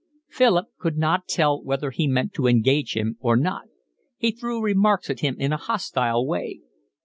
Philip could not tell whether he meant to engage him or not. He threw remarks at him in a hostile way.